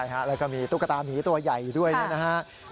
แล้วก็มีตุ๊กตามีตัวใหญ่ด้วยนะครับ